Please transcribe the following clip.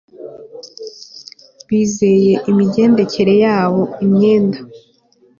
bizeye imigendekere yabo, imyenda